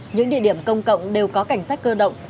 những địa điểm công cộng đều có cảnh sát cơ động